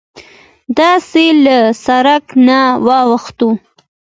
داسې له سرک نه واوښتوو.